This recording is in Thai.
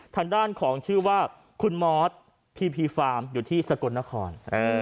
ทางด้านของชื่อว่าคุณมอสพีพีฟาร์มอยู่ที่สกลนคร